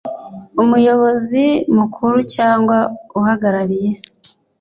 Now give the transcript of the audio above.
umuyobozi mukuru cyangwa uhagarariye